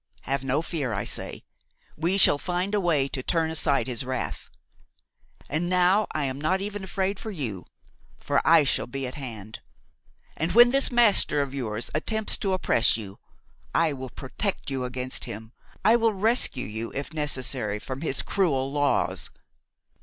Have no fear, I say, we shall find a way to turn aside his wrath; and now I am not even afraid for you, for I shall be at hand. And when this master of yours attempts to oppress you, I will protect you against him. I will rescue you, if necessary, from his cruel laws.